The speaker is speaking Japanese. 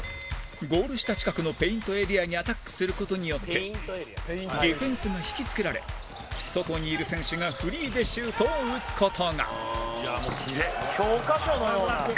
ゴール下近くのペイントエリアにアタックする事によってディフェンスが引きつけられ外にいる選手がフリーでシュートを打つ事が井上：教科書のような。